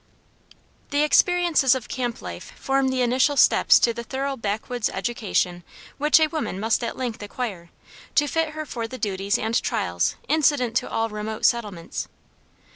The experiences of camp life form the initial steps to the thorough backwoods education which a woman must at length acquire, to fit her for the duties and trials incident to all remote settlements.